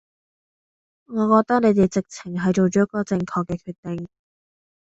我覺得你哋直情係做咗個正確嘅決定